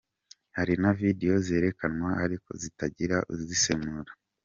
Hari na video zerekanwa ariko zitagira uzisemura, haracyari imbogamizi nyinshi”.